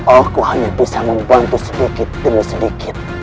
aku hanya bisa membantu sedikit demi sedikit